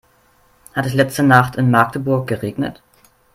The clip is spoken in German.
Hat es letzte Nacht in Magdeburg geregnet?